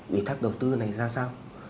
ủy thác đầu tư này ra sao